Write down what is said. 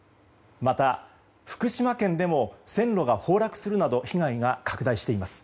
また、福島県でも線路が崩落するなど被害が拡大しています。